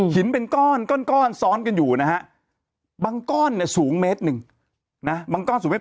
หินเป็นก้อนก้อนก้อนซ้อมก็อยู่นะฮะบางก้อนนะสูงเมตรนึงนะบางก้อนสูงเมตร